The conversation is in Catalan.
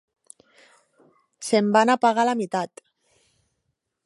Se'n van apagar la meitat